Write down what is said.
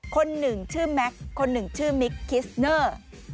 คนหนึ่งชื่อแม็กซ์คนหนึ่งชื่อมิกคิสเนอร์